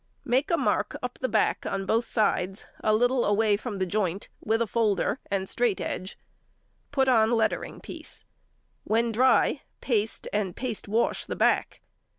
_ Make a mark up the back on both sides a little away from the joint with a folder and |139| straight edge. Put on lettering piece. When dry, paste and paste wash the back.